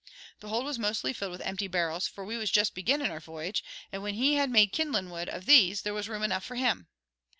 The hold was mostly filled with empty barrels, for we was just beginning our v'yage, and when he had made kindling wood of these there was room enough for him.